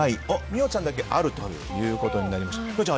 美桜ちゃんだけあるということになりました。